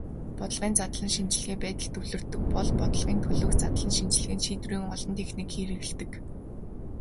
Бодлогын задлан шинжилгээ байдалд төвлөрдөг бол бодлогын төлөөх задлан шинжилгээнд шийдвэрийн олон техникийг хэрэглэдэг.